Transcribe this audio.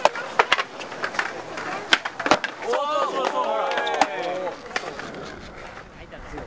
そうそうそうそう。